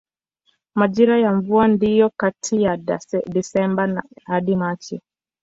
Majira ya mvua ndiyo kati ya Desemba hadi Machi.